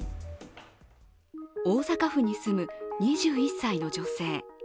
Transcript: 大阪府に住む２１歳の女性。